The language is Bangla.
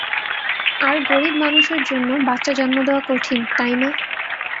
আর গরিব মানুষের জন্য বাচ্চা জন্ম দেওয়া কঠিন না, তাই না?